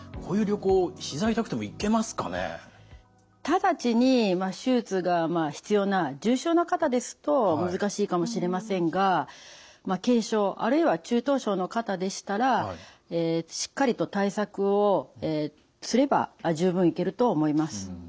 直ちに手術が必要な重症な方ですと難しいかもしれませんが軽症あるいは中等症の方でしたらしっかりと対策をすれば十分行けると思います。